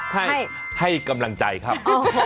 ให้กำลังใจครับ